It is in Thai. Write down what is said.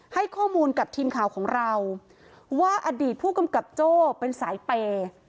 ให้ข้อมูลกับทีมข่าวของเราว่าอดีตผู้กำกับโจ้เป็นสายเปย์